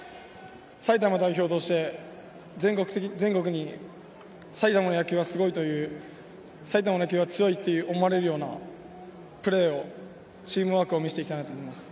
埼玉代表として、全国に埼玉の野球はすごいという埼玉の野球は強いと思われるようなプレーをチームワークを見せていきたいと思います。